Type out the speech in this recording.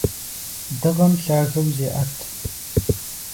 Дыгъэм лъагэу зеӀэт.